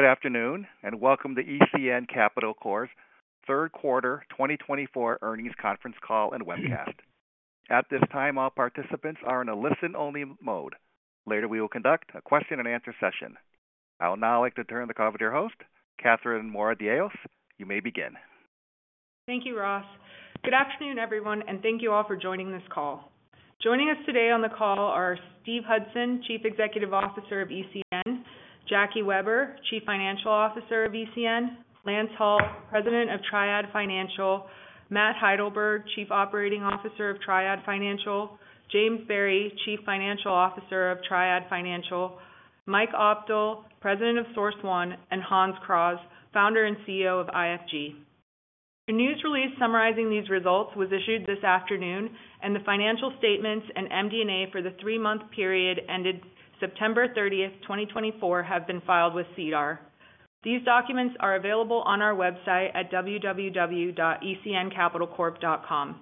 Good afternoon, and welcome to ECN Capital Corp.'s third quarter 2024 earnings conference call and webcast. At this time, all participants are in a listen-only mode. Later, we will conduct a question-and-answer session. I'll now like to turn the call with your host, Katherine Moradiellos. You may begin. Thank you, Ross. Good afternoon, everyone, and thank you all for joining this call. Joining us today on the call are Steve Hudson, Chief Executive Officer of ECN, Jackie Weber, Chief Financial Officer of ECN, Lance Hull, President of Triad Financial, Matt Heidelberg, Chief Operating Officer of Triad Financial, James Berry, Chief Financial Officer of Triad Financial, Mike Opdahl, President of Source One, and Hans Kraaz, Founder and CEO of IFG. A news release summarizing these results was issued this afternoon, and the financial statements and MD&A for the three-month period ended September 30, 2024, have been filed with SEDAR+. These documents are available on our website at www.ecncapitalcorp.com.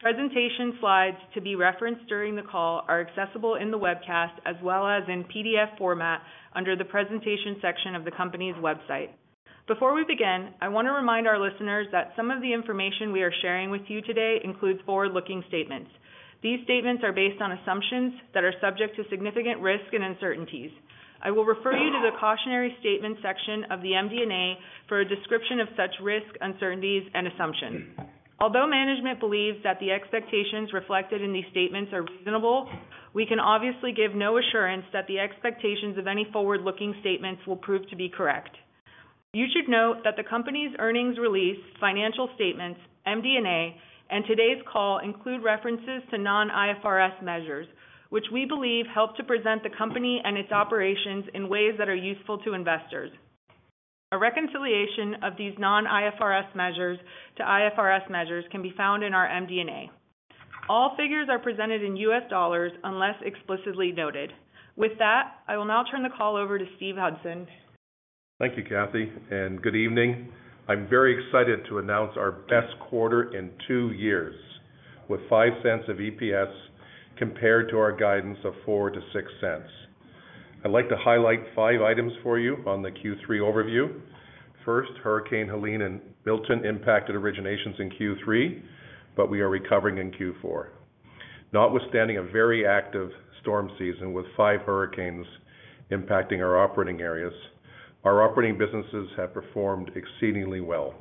Presentation slides to be referenced during the call are accessible in the webcast as well as in PDF format under the Presentation section of the company's website. Before we begin, I want to remind our listeners that some of the information we are sharing with you today includes forward-looking statements. These statements are based on assumptions that are subject to significant risk and uncertainties. I will refer you to the Cautionary Statements section of the MD&A for a description of such risk, uncertainties, and assumptions. Although management believes that the expectations reflected in these statements are reasonable, we can obviously give no assurance that the expectations of any forward-looking statements will prove to be correct. You should note that the company's earnings release, financial statements, MD&A, and today's call include references to non-IFRS measures, which we believe help to present the company and its operations in ways that are useful to investors. A reconciliation of these non-IFRS measures to IFRS measures can be found in our MD&A. All figures are presented in U.S. dollars unless explicitly noted. With that, I will now turn the call over to Steve Hudson. Thank you, Kathy, and good evening. I'm very excited to announce our best quarter in two years, with $0.05 of EPS compared to our guidance of $0.04-$0.06. I'd like to highlight five items for you on the Q3 overview. First, Hurricane Helene and Milton impacted originations in Q3, but we are recovering in Q4. Notwithstanding a very active storm season with five hurricanes impacting our operating areas, our operating businesses have performed exceedingly well.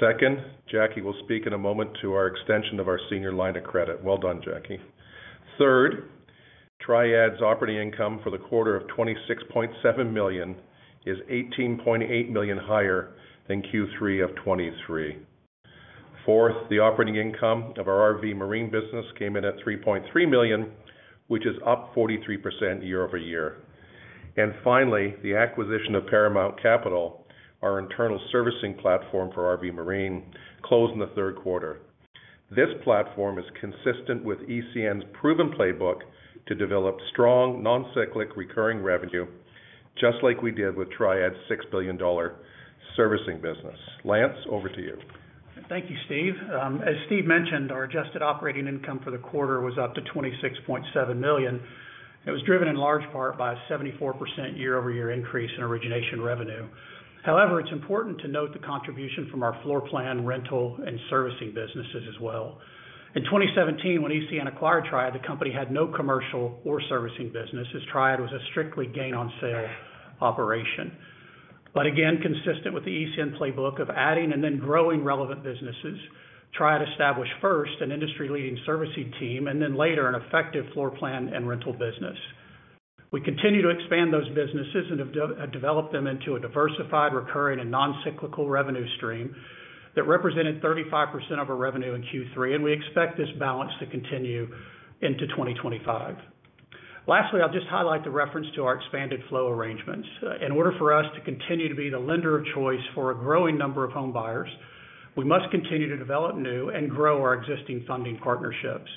Second, Jackie will speak in a moment to our extension of our senior line of credit. Well done, Jackie. Third, Triad's operating income for the quarter of $26.7 million is $18.8 million higher than Q3 of 2023. Fourth, the operating income of our RV Marine business came in at $3.3 million, which is up 43% year over year. Finally, the acquisition of Paramount Capital, our internal servicing platform for RV Marine, closed in the third quarter. This platform is consistent with ECN's proven playbook to develop strong, non-cyclical, recurring revenue, just like we did with Triad's $6 billion servicing business. Lance, over to you. Thank you, Steve. As Steve mentioned, our adjusted operating income for the quarter was up to $26.7 million. It was driven in large part by a 74% year-over-year increase in origination revenue. However, it's important to note the contribution from our floor plan, rental, and servicing businesses as well. In 2017, when ECN acquired Triad, the company had no commercial or servicing businesses. Triad was a strictly gain-on-sale operation. But again, consistent with the ECN playbook of adding and then growing relevant businesses, Triad established first an industry-leading servicing team and then later an effective floor plan and rental business. We continue to expand those businesses and have developed them into a diversified, recurring, and non-cyclical revenue stream that represented 35% of our revenue in Q3, and we expect this balance to continue into 2025. Lastly, I'll just highlight the reference to our expanded flow arrangements. In order for us to continue to be the lender of choice for a growing number of home buyers, we must continue to develop new and grow our existing funding partnerships.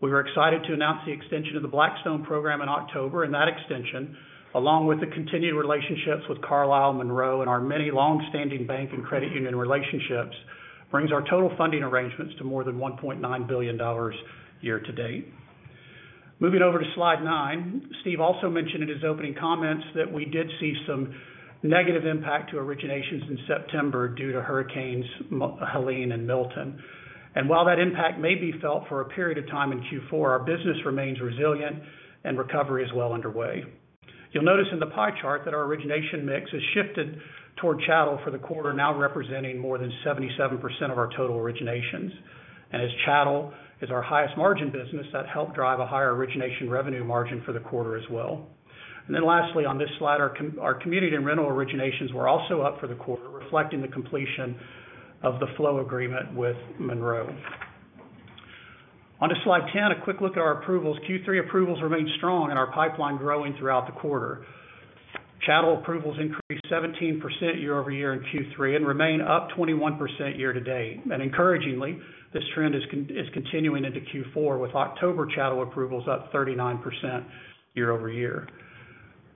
We were excited to announce the extension of the Blackstone program in October, and that extension, along with the continued relationships with Carlyle, Monroe, and our many long-standing bank and credit union relationships, brings our total funding arrangements to more than $1.9 billion year to date. Moving over to slide nine, Steve also mentioned in his opening comments that we did see some negative impact to originations in September due to Hurricanes Helene and Milton, and while that impact may be felt for a period of time in Q4, our business remains resilient, and recovery is well underway. You'll notice in the pie chart that our origination mix has shifted toward chattel for the quarter, now representing more than 77% of our total originations. And as chattel is our highest margin business, that helped drive a higher origination revenue margin for the quarter as well. And then lastly, on this slide, our commercial and rental originations were also up for the quarter, reflecting the completion of the flow agreement with Monroe. Onto slide 10, a quick look at our approvals. Q3 approvals remained strong, and our pipeline growing throughout the quarter. Chattel approvals increased 17% year over year in Q3 and remain up 21% year to date. And encouragingly, this trend is continuing into Q4, with October chattel approvals up 39% year over year.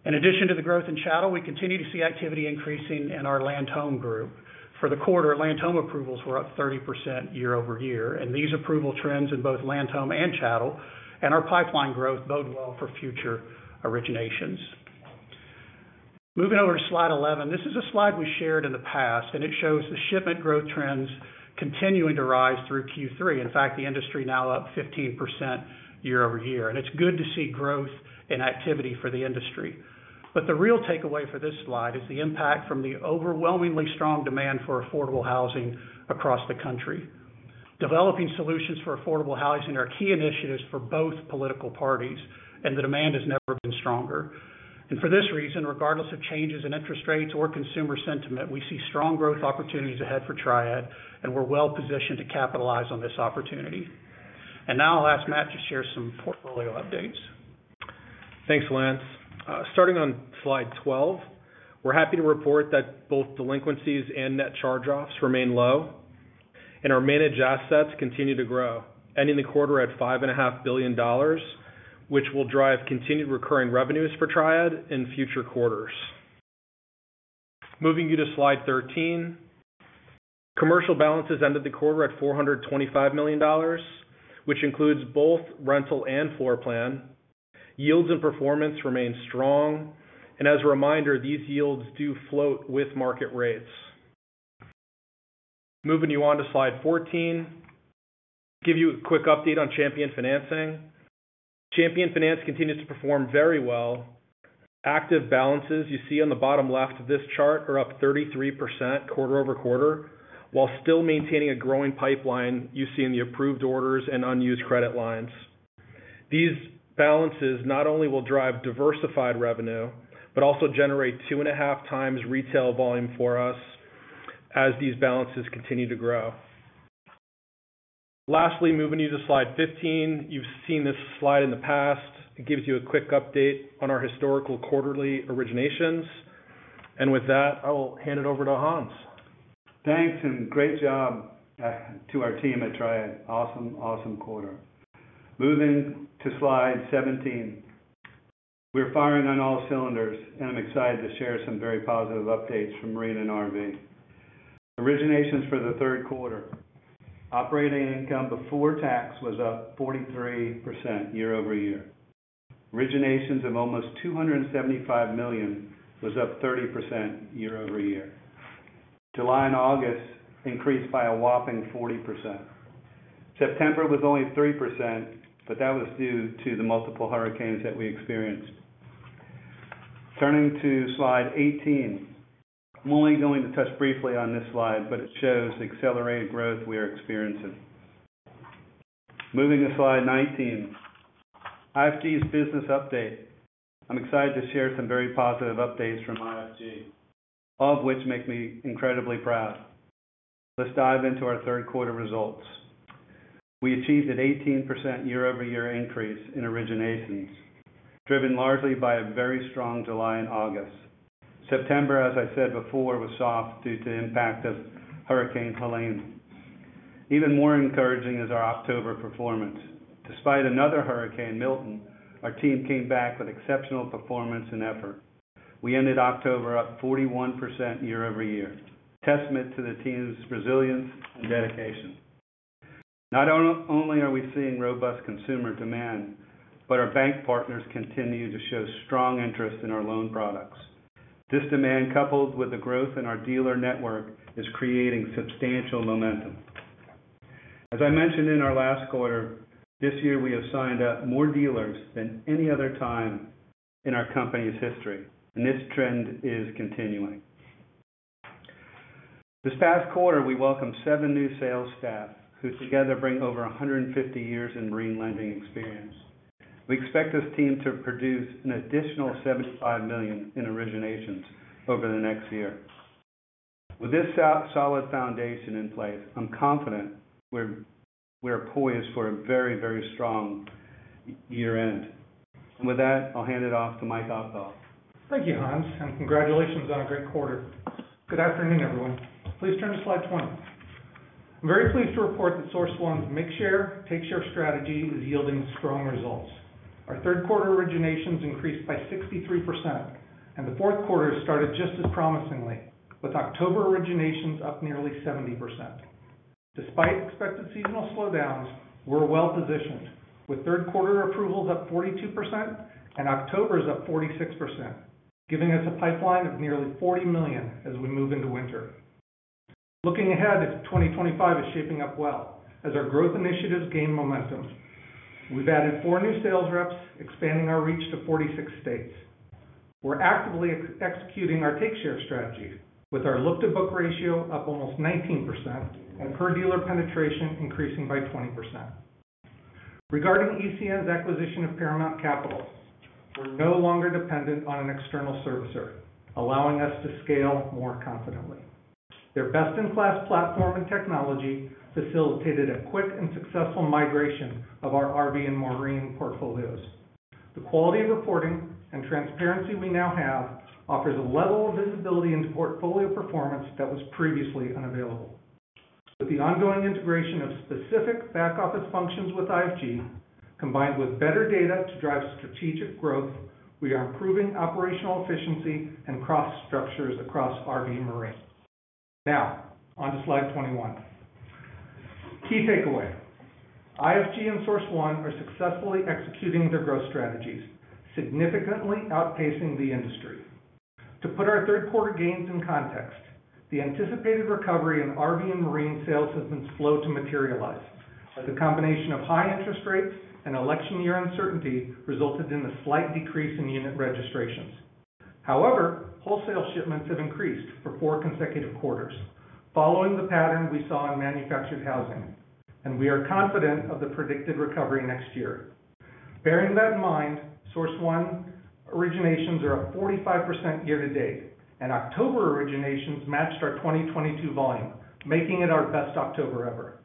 In addition to the growth in chattel, we continue to see activity increasing in our land-home group. For the quarter, land home approvals were up 30% year over year, and these approval trends in both land home and chattel and our pipeline growth bode well for future originations. Moving over to slide 11, this is a slide we shared in the past, and it shows the shipment growth trends continuing to rise through Q3. In fact, the industry now up 15% year over year. And it's good to see growth and activity for the industry. But the real takeaway for this slide is the impact from the overwhelmingly strong demand for affordable housing across the country. Developing solutions for affordable housing are key initiatives for both political parties, and the demand has never been stronger. And for this reason, regardless of changes in interest rates or consumer sentiment, we see strong growth opportunities ahead for Triad, and we're well positioned to capitalize on this opportunity. Now I'll ask Matt to share some portfolio updates. Thanks, Lance. Starting on slide 12, we're happy to report that both delinquencies and net charge-offs remain low, and our managed assets continue to grow, ending the quarter at $5.5 billion, which will drive continued recurring revenues for Triad in future quarters. Moving you to slide 13, commercial balances ended the quarter at $425 million, which includes both rental and floor plan. Yields and performance remain strong, and as a reminder, these yields do float with market rates. Moving you on to slide 14, give you a quick update on Champion Financing. Champion Financing continues to perform very well. Active balances you see on the bottom left of this chart are up 33% quarter over quarter, while still maintaining a growing pipeline you see in the approved orders and unused credit lines. These balances not only will drive diversified revenue, but also generate two and a half times retail volume for us as these balances continue to grow. Lastly, moving you to slide 15, you've seen this slide in the past. It gives you a quick update on our historical quarterly originations. And with that, I will hand it over to Hans. Thanks, and great job to our team at Triad. Awesome, awesome quarter. Moving to slide 17, we're firing on all cylinders, and I'm excited to share some very positive updates from Marine and RV. Originations for the third quarter, operating income before tax was up 43% year over year. Originations of almost $275 million was up 30% year over year. July and August increased by a whopping 40%. September was only 3%, but that was due to the multiple hurricanes that we experienced. Turning to slide 18, I'm only going to touch briefly on this slide, but it shows accelerated growth we are experiencing. Moving to slide 19, IFG's business update. I'm excited to share some very positive updates from IFG, all of which make me incredibly proud. Let's dive into our third quarter results. We achieved an 18% year-over-year increase in originations, driven largely by a very strong July and August. September, as I said before, was soft due to the impact of Hurricane Helene. Even more encouraging is our October performance. Despite another hurricane, Milton, our team came back with exceptional performance and effort. We ended October up 41% year over year, a testament to the team's resilience and dedication. Not only are we seeing robust consumer demand, but our bank partners continue to show strong interest in our loan products. This demand, coupled with the growth in our dealer network, is creating substantial momentum. As I mentioned in our last quarter, this year we have signed up more dealers than any other time in our company's history, and this trend is continuing. This past quarter, we welcomed seven new sales staff, who together bring over 150 years in marine lending experience. We expect this team to produce an additional $75 million in originations over the next year. With this solid foundation in place, I'm confident we're poised for a very, very strong year-end. And with that, I'll hand it off to Mike Opdahl. Thank you, Hans, and congratulations on a great quarter. Good afternoon, everyone. Please turn to slide 20. I'm very pleased to report that Source One's market-take-share strategy is yielding strong results. Our third quarter originations increased by 63%, and the fourth quarter started just as promisingly, with October originations up nearly 70%. Despite expected seasonal slowdowns, we're well positioned, with third quarter approvals up 42% and October's up 46%, giving us a pipeline of nearly $40 million as we move into winter. Looking ahead, 2025 is shaping up well as our growth initiatives gain momentum. We've added four new sales reps, expanding our reach to 46 states. We're actively executing our take-share strategy, with our look-to-book ratio up almost 19% and per-dealer penetration increasing by 20%. Regarding ECN's acquisition of Paramount Capital, we're no longer dependent on an external servicer, allowing us to scale more confidently. Their best-in-class platform and technology facilitated a quick and successful migration of our RV and Marine portfolios. The quality of reporting and transparency we now have offers a level of visibility into portfolio performance that was previously unavailable. With the ongoing integration of specific back-office functions with IFG, combined with better data to drive strategic growth, we are improving operational efficiency and cross-structures across RV Marine. Now, onto slide 21. Key takeaway: IFG and Source One are successfully executing their growth strategies, significantly outpacing the industry. To put our third quarter gains in context, the anticipated recovery in RV and Marine sales has been slow to materialize, as a combination of high interest rates and election-year uncertainty resulted in a slight decrease in unit registrations. However, wholesale shipments have increased for four consecutive quarters, following the pattern we saw in manufactured housing, and we are confident of the predicted recovery next year. Bearing that in mind, SourceOne originations are up 45% year to date, and October originations matched our 2022 volume, making it our best October ever.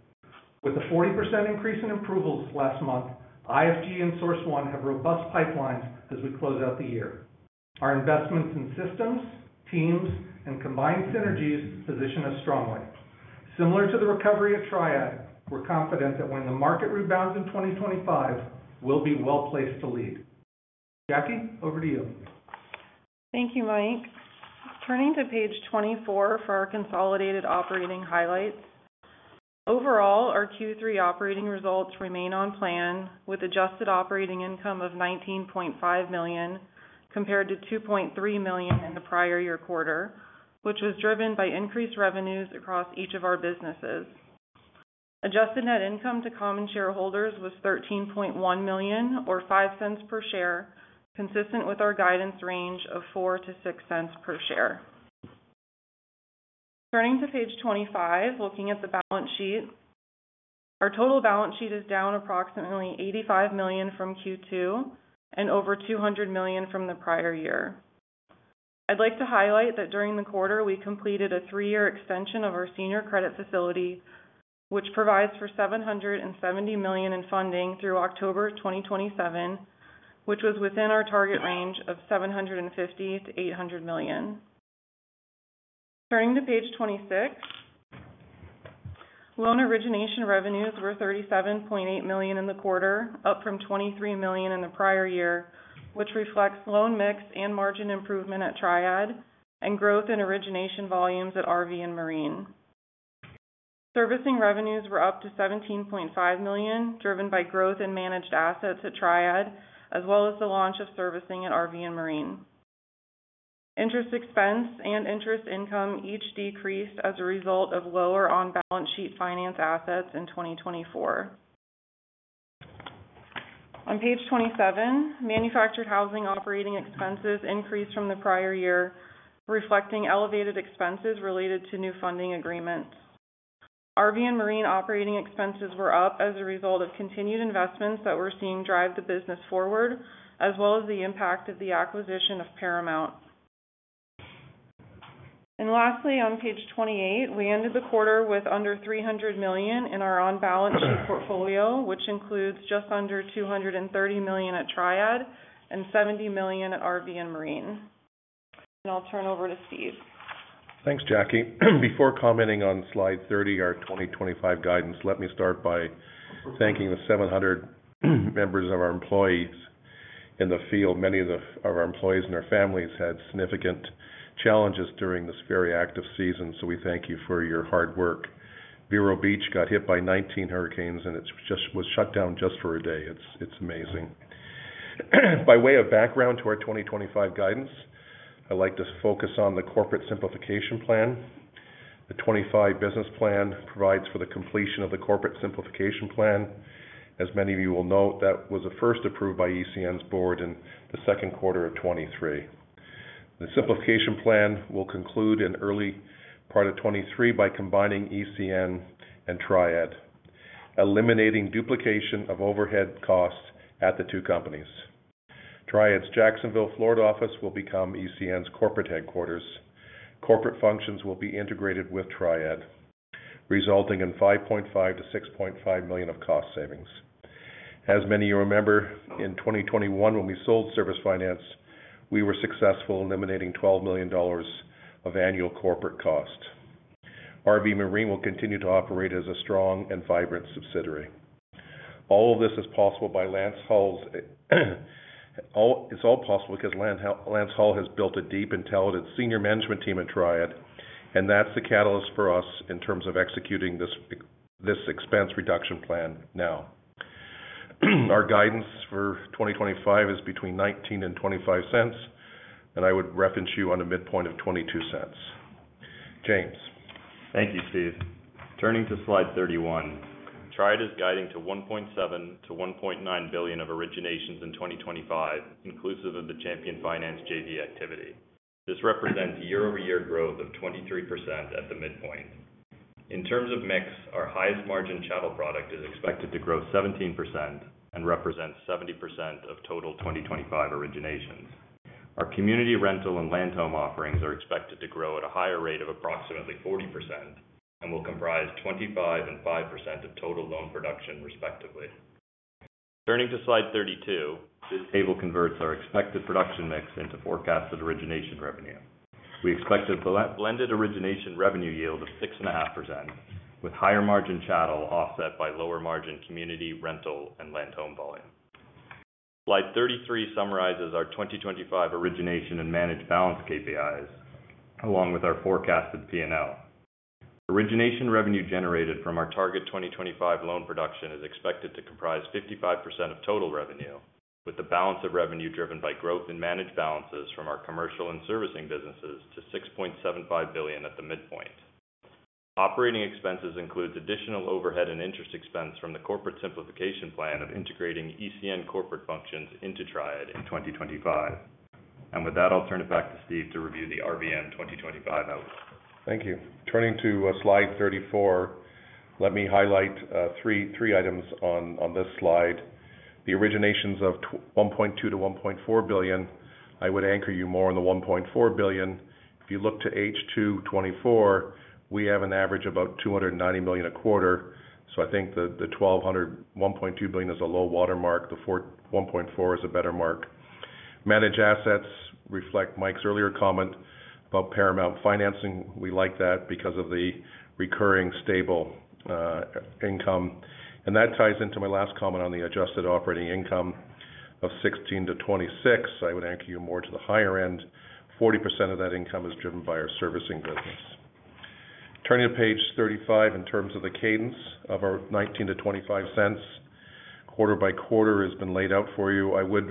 With a 40% increase in approvals last month, IFG and SourceOne have robust pipelines as we close out the year. Our investments in systems, teams, and combined synergies position us strongly. Similar to the recovery at Triad, we're confident that when the market rebounds in 2025, we'll be well placed to lead. Jackie, over to you. Thank you, Mike. Turning to page 24 for our consolidated operating highlights. Overall, our Q3 operating results remain on plan, with adjusted operating income of $19.5 million compared to $2.3 million in the prior year quarter, which was driven by increased revenues across each of our businesses. Adjusted net income to common shareholders was $13.1 million, or 5 cents per share, consistent with our guidance range of 4-6 cents per share. Turning to page 25, looking at the balance sheet, our total balance sheet is down approximately $85 million from Q2 and over $200 million from the prior year. I'd like to highlight that during the quarter, we completed a three-year extension of our senior credit facility, which provides for $770 million in funding through October 2027, which was within our target range of $750-$800 million. Turning to page 26, loan origination revenues were $37.8 million in the quarter, up from $23 million in the prior year, which reflects loan mix and margin improvement at Triad and growth in origination volumes at RV and Marine. Servicing revenues were up to $17.5 million, driven by growth in managed assets at Triad, as well as the launch of servicing at RV and Marine. Interest expense and interest income each decreased as a result of lower on-balance sheet finance assets in 2024. On page 27, manufactured housing operating expenses increased from the prior year, reflecting elevated expenses related to new funding agreements. RV and Marine operating expenses were up as a result of continued investments that we're seeing drive the business forward, as well as the impact of the acquisition of Paramount. Lastly, on page 28, we ended the quarter with under $300 million in our on-balance sheet portfolio, which includes just under $230 million at Triad and $70 million at RV and Marine. I'll turn over to Steve. Thanks, Jackie. Before commenting on slide 30, our 2025 guidance, let me start by thanking the 700 members of our employees in the field. Many of our employees and their families had significant challenges during this very active season, so we thank you for your hard work. Vero Beach got hit by 19 hurricanes, and it just was shut down just for a day. It's amazing. By way of background to our 2025 guidance, I'd like to focus on the corporate simplification plan. The '25 business plan provides for the completion of the corporate simplification plan. As many of you will note, that was the first approved by ECN's board in the second quarter of 2023. The simplification plan will conclude in early part of 2023 by combining ECN and Triad, eliminating duplication of overhead costs at the two companies. Triad's Jacksonville, Florida office will become ECN's corporate headquarters. Corporate functions will be integrated with Triad, resulting in $5.5-$6.5 million of cost savings. As many of you remember, in 2021, when we sold Service Finance, we were successful in eliminating $12 million of annual corporate cost. RV Marine will continue to operate as a strong and vibrant subsidiary. All of this is possible. It's all possible because Lance Hull has built a deep, intelligent senior management team at Triad, and that's the catalyst for us in terms of executing this expense reduction plan now. Our guidance for 2025 is between $0.19 and $0.25, and I would reference you on a midpoint of $0.22. James. Thank you, Steve. Turning to slide 31, Triad is guiding to $1.7-$1.9 billion of originations in 2025, inclusive of the Champion Financing JV activity. This represents year-over-year growth of 23% at the midpoint. In terms of mix, our highest margin chattel product is expected to grow 17% and represents 70% of total 2025 originations. Our community rental and land-home offerings are expected to grow at a higher rate of approximately 40% and will comprise 25% and 5% of total loan production, respectively. Turning to slide 32, this table converts our expected production mix into forecasted origination revenue. We expect a blended origination revenue yield of 6.5%, with higher margin chattel offset by lower margin community rental and land-home volume. Slide 33 summarizes our 2025 origination and managed balance KPIs, along with our forecasted P&L. Origination revenue generated from our target 2025 loan production is expected to comprise 55% of total revenue, with the balance of revenue driven by growth in managed balances from our commercial and servicing businesses to $6.75 billion at the midpoint. Operating expenses include additional overhead and interest expense from the corporate simplification plan of integrating ECN corporate functions into Triad in 2025. And with that, I'll turn it back to Steve to review the RVM 2025 outlook. Thank you. Turning to slide 34, let me highlight three items on this slide. The originations of $1.2-$1.4 billion. I would anchor you more on the $1.4 billion. If you look to H224, we have an average of about $290 million a quarter, so I think the $1.2 billion is a low watermark. The $1.4 is a better mark. Managed assets reflect Mike's earlier comment about Paramount Financing. We like that because of the recurring stable income. And that ties into my last comment on the Adjusted Operating Income of $16-$26. I would anchor you more to the higher end. 40% of that income is driven by our servicing business. Turning to page 35, in terms of the cadence of our $19-$0.25, quarter by quarter has been laid out for you. I would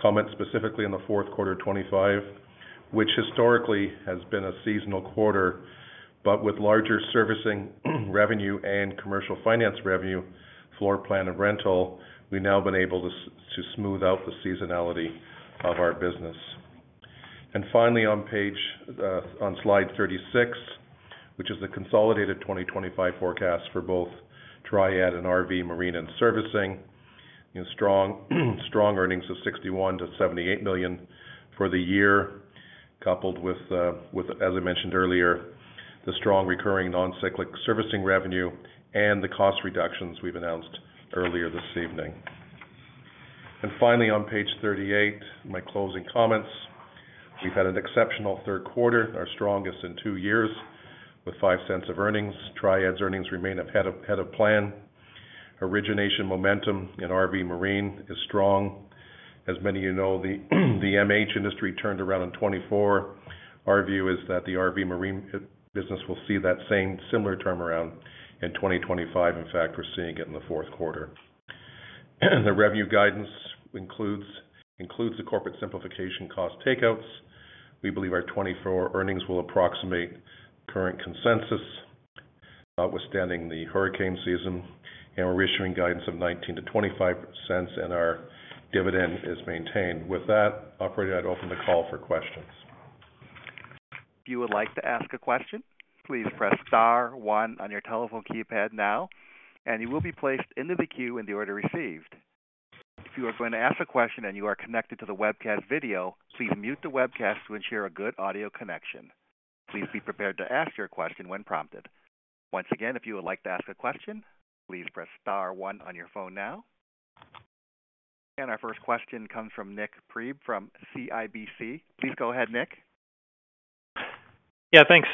comment specifically on the fourth quarter of 2025, which historically has been a seasonal quarter, but with larger servicing revenue and commercial finance revenue, floor plan and rental, we've now been able to smooth out the seasonality of our business, and finally, on slide 36, which is the consolidated 2025 forecast for both Triad and RV Marine and servicing, strong earnings of $61-$78 million for the year, coupled with, as I mentioned earlier, the strong recurring non-cyclic servicing revenue and the cost reductions we've announced earlier this evening, and finally, on page 38, my closing comments. We've had an exceptional third quarter, our strongest in two years, with $0.05 of earnings. Triad's earnings remain ahead of plan. Origination momentum in RV Marine is strong. As many of you know, the MH industry turned around in 2024. Our view is that the RV Marine business will see that same similar turnaround in 2025. In fact, we're seeing it in the fourth quarter. The revenue guidance includes the corporate simplification cost takeouts. We believe our 2024 earnings will approximate current consensus, notwithstanding the hurricane season, and we're issuing guidance of $0.19-$0.25, and our dividend is maintained. With that, I'd open the call for questions. If you would like to ask a question, please press star one on your telephone keypad now, and you will be placed into the queue in the order received. If you are going to ask a question and you are connected to the webcast video, please mute the webcast to ensure a good audio connection. Please be prepared to ask your question when prompted. Once again, if you would like to ask a question, please press star one on your phone now. Our first question comes from Nik Priebe from CIBC. Please go ahead, Nik. Yeah, thanks.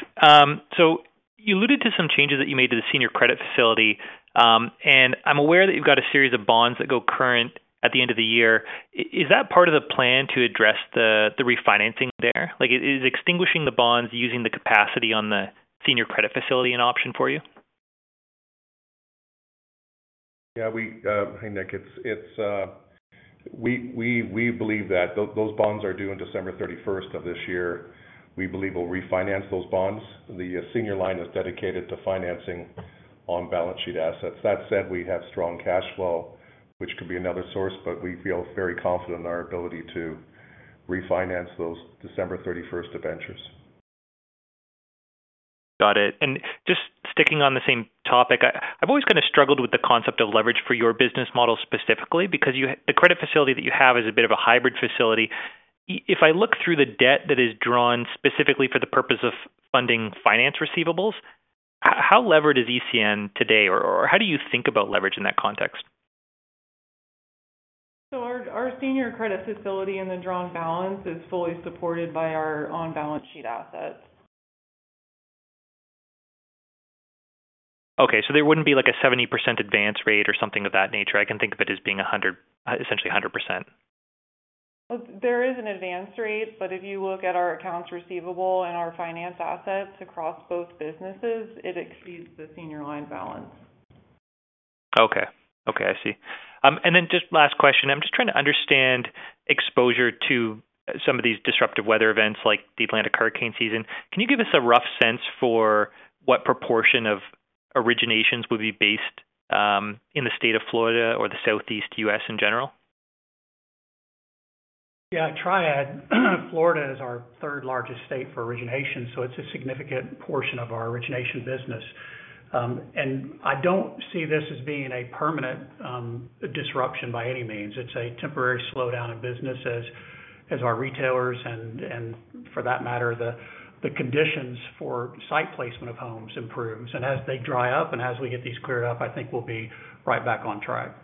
So you alluded to some changes that you made to the senior credit facility, and I'm aware that you've got a series of bonds that go current at the end of the year. Is that part of the plan to address the refinancing there? Is extinguishing the bonds using the capacity on the senior credit facility an option for you? Yeah, hey, Nick, we believe that those bonds are due on December 31st of this year. We believe we'll refinance those bonds. The senior line is dedicated to financing on-balance sheet assets. That said, we have strong cash flow, which could be another source, but we feel very confident in our ability to refinance those December 31st maturities. Got it. And just sticking on the same topic, I've always kind of struggled with the concept of leverage for your business model specifically because the credit facility that you have is a bit of a hybrid facility. If I look through the debt that is drawn specifically for the purpose of funding finance receivables, how levered is ECN today, or how do you think about leverage in that context? Our Senior Credit Facility and the drawn balance is fully supported by our on-balance sheet assets. Okay, so there wouldn't be like a 70% advance rate or something of that nature. I can think of it as being essentially 100%. There is an advance rate, but if you look at our accounts receivable and our finance assets across both businesses, it exceeds the senior line balance. Okay. Okay, I see. And then just last question. I'm just trying to understand exposure to some of these disruptive weather events like the Atlantic hurricane season. Can you give us a rough sense for what proportion of originations would be based in the state of Florida or the Southeast U.S. in general? Yeah, Triad, Florida is our third largest state for origination, so it's a significant portion of our origination business. And I don't see this as being a permanent disruption by any means. It's a temporary slowdown in business as our retailers and, for that matter, the conditions for site placement of homes improves. And as they dry up and as we get these cleared up, I think we'll be right back on track.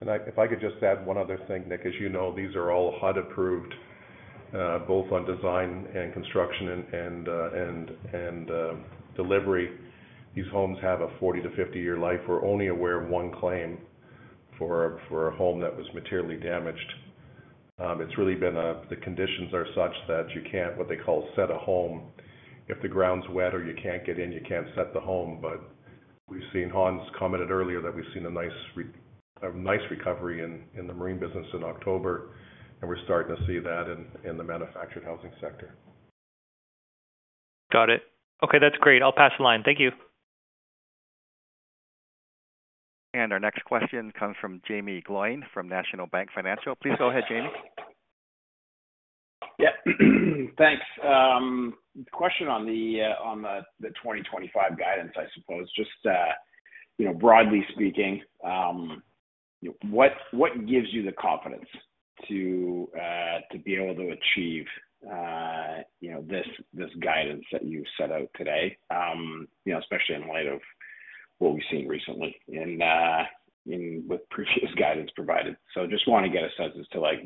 If I could just add one other thing, Nik, as you know, these are all HUD-approved, both on design and construction and delivery. These homes have a 40-50-year life. We're only aware of one claim for a home that was materially damaged. It's really been the conditions are such that you can't, what they call, set a home. If the ground's wet or you can't get in, you can't set the home. But we've seen, Hans commented earlier, that we've seen a nice recovery in the Marine business in October, and we're starting to see that in the manufactured housing sector. Got it. Okay, that's great. I'll pass the line. Thank you. Our next question comes from Jaeme Gloyn from National Bank Financial. Please go ahead, Jaeme. Yeah. Thanks. Question on the 2025 guidance, I suppose. Just broadly speaking, what gives you the confidence to be able to achieve this guidance that you set out today, especially in light of what we've seen recently with previous guidance provided? So just want to get a sense as to what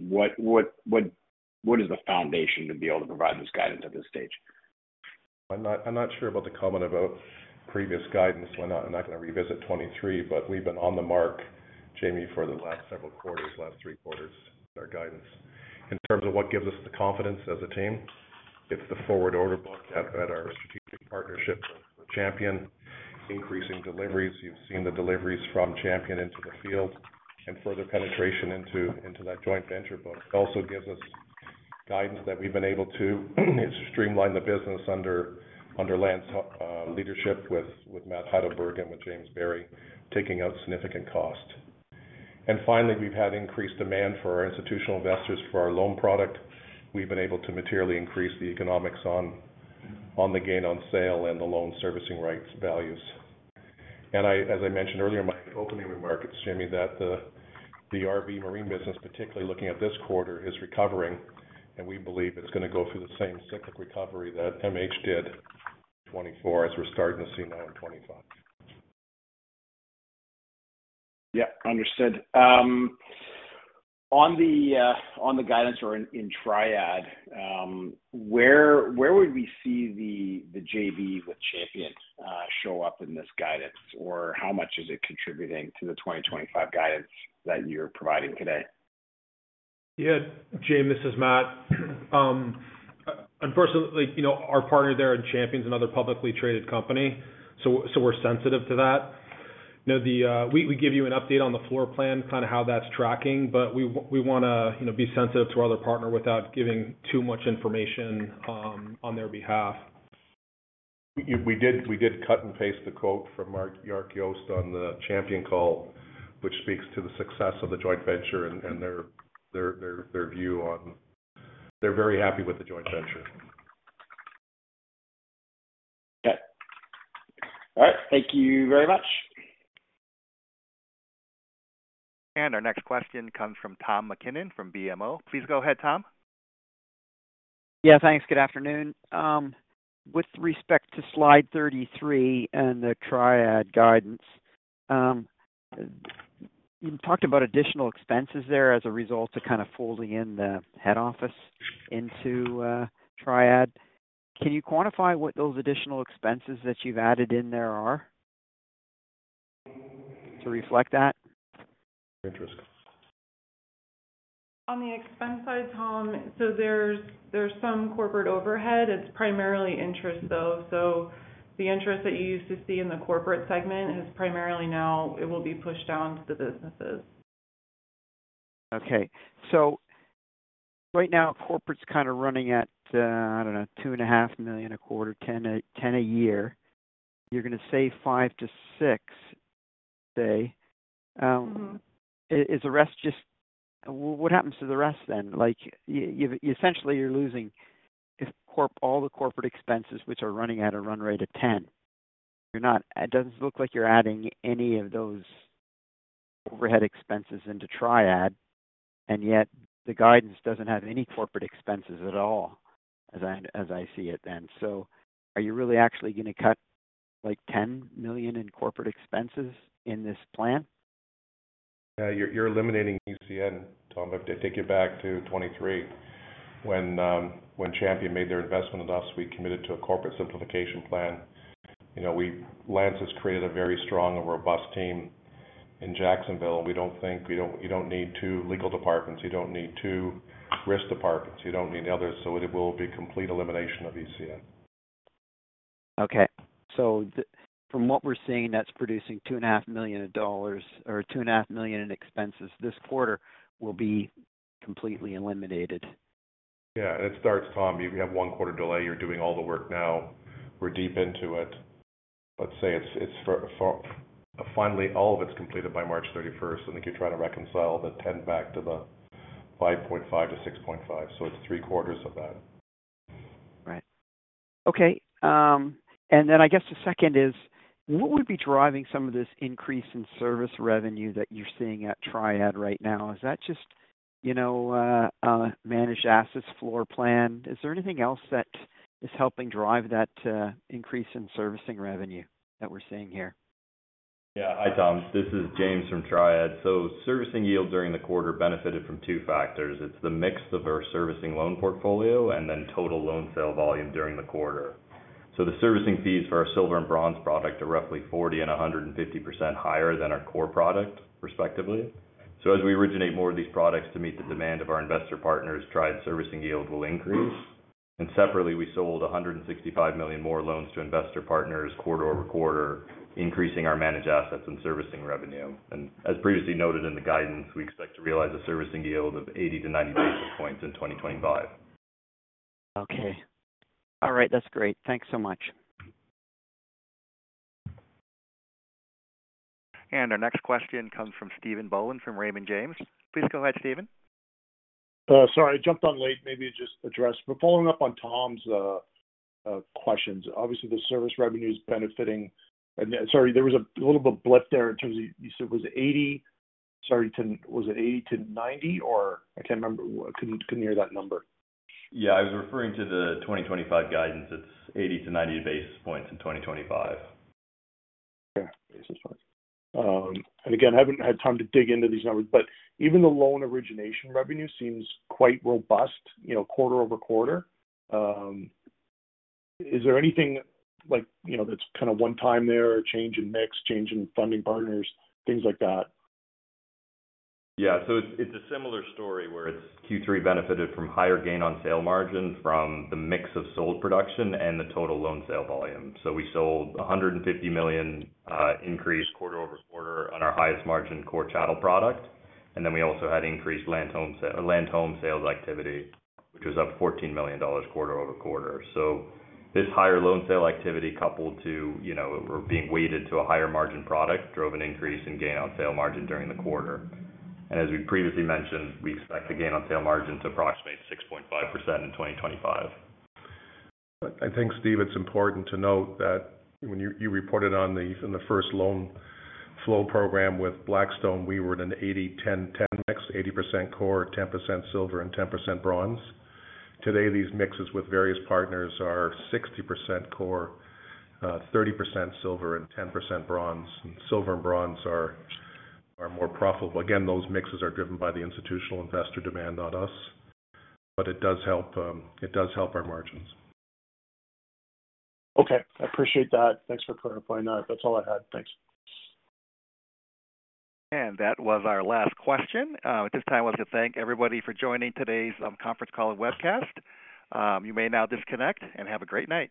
is the foundation to be able to provide this guidance at this stage? I'm not sure about the comment about previous guidance. I'm not going to revisit 2023, but we've been on the mark, Jamie, for the last several quarters, last three quarters, with our guidance. In terms of what gives us the confidence as a team, it's the forward order book at our strategic partnership with Champion, increasing deliveries. You've seen the deliveries from Champion into the field and further penetration into that joint venture book. It also gives us guidance that we've been able to streamline the business under Lance's leadership with Matt Heidelberg and with James Berry, taking out significant cost. And finally, we've had increased demand for our institutional investors for our loan product. We've been able to materially increase the economics on the gain on sale and the loan servicing rights values. As I mentioned earlier in my opening remarks, Jamie, that the RV Marine business, particularly looking at this quarter, is recovering, and we believe it's going to go through the same cyclic recovery that MH did in 2024 as we're starting to see now in 2025. Yeah, understood. On the guidance or in Triad, where would we see the JV with Champion show up in this guidance, or how much is it contributing to the 2025 guidance that you're providing today? Yeah, Jaeme, this is Matt. Unfortunately, our partner there in Champion is another publicly traded company, so we're sensitive to that. We give you an update on the floor plan, kind of how that's tracking, but we want to be sensitive to our other partner without giving too much information on their behalf. We did cut and paste the quote from Mark Yost on the Champion call, which speaks to the success of the joint venture and their view on they're very happy with the joint venture. Okay. All right. Thank you very much. And our next question comes from Tom MacKinnon from BMO. Please go ahead, Tom. Yeah, thanks. Good afternoon. With respect to slide 33 and the Triad guidance, you talked about additional expenses there as a result of kind of folding in the head office into Triad. Can you quantify what those additional expenses that you've added in there are to reflect that? Interest. On the expense side, Tom, so there's some corporate overhead. It's primarily interest, though. So the interest that you used to see in the corporate segment has primarily now it will be pushed down to the businesses. Okay. So right now, corporate's kind of running at, I don't know, $2.5 million a quarter, $10 a year. You're going to say $5 to $6, say. Is the rest just what happens to the rest then? Essentially, you're losing all the corporate expenses which are running at a run rate of $10. It doesn't look like you're adding any of those overhead expenses into Triad, and yet the guidance doesn't have any corporate expenses at all, as I see it then. So are you really actually going to cut $10 million in corporate expenses in this plan? Yeah, you're eliminating ECN, Tom. If they take you back to 2023, when Champion made their investment in us, we committed to a corporate simplification plan. Lance has created a very strong and robust team in Jacksonville, and we don't think you don't need two legal departments. You don't need two risk departments. You don't need others. So it will be a complete elimination of ECN. From what we're seeing, that's producing $2.5 million or $2.5 million in expenses this quarter will be completely eliminated. Yeah. It starts, Tom. You have one quarter delay. You're doing all the work now. We're deep into it. Let's say it's finally all of it's completed by March 31st. I think you're trying to reconcile the $10 back to the $5.5-$6.5. So it's three quarters of that. Right. Okay. And then I guess the second is, what would be driving some of this increase in service revenue that you're seeing at Triad right now? Is that just managed assets floor plan? Is there anything else that is helping drive that increase in servicing revenue that we're seeing here? Yeah. Hi, Tom. This is James from Triad. Servicing yield during the quarter benefited from two factors. It's the mix of our servicing loan portfolio and then total loan sale volume during the quarter. The servicing fees for our silver and bronze product are roughly 40% and 150% higher than our core product, respectively. As we originate more of these products to meet the demand of our investor partners, Triad's servicing yield will increase. Separately, we sold $165 million more loans to investor partners quarter over quarter, increasing our managed assets and servicing revenue. As previously noted in the guidance, we expect to realize a servicing yield of 80-90 basis points in 2025. Okay. All right. That's great. Thanks so much. Our next question comes from Stephen Boland from Raymond James. Please go ahead, Stephen. Sorry, I jumped on late. Maybe just address. But following up on Tom's questions, obviously, the service revenue is benefiting. Sorry, there was a little bit of a blip there in terms of you said it was 80. Sorry, was it 80 to 90, or? I can't remember. Couldn't hear that number. Yeah, I was referring to the 2025 guidance. It's 80-90 basis points in 2025. Okay. And again, I haven't had time to dig into these numbers, but even the loan origination revenue seems quite robust quarter over quarter. Is there anything that's kind of one-time there or change in mix, change in funding partners, things like that? Yeah. So it's a similar story where it's Q3 benefited from higher gain-on-sale margin from the mix of sold production and the total loan sale volume. So we sold $150 million increase quarter over quarter on our highest margin core channel product. And then we also had increased land-home sales activity, which was up $14 million quarter over quarter. So this higher loan sale activity coupled to being weighted to a higher margin product drove an increase in gain-on-sale margin during the quarter. And as we previously mentioned, we expect the gain-on-sale margin to approximate 6.5% in 2025. I think, Steve, it's important to note that when you reported on the first loan flow program with Blackstone, we were in an 80-10 mix, 80% core, 10% silver, and 10% bronze. Today, these mixes with various partners are 60% core, 30% silver, and 10% bronze. And silver and bronze are more profitable. Again, those mixes are driven by the institutional investor demand on us, but it does help our margins. Okay. I appreciate that. Thanks for clarifying that. That's all I had. Thanks. That was our last question. At this time, I want to thank everybody for joining today's conference call and webcast. You may now disconnect and have a great night.